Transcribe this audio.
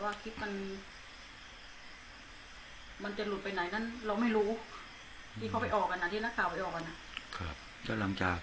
เราไม่มีสิทธิที่ค่อนข้างไว้ริวาร์พิจารณ์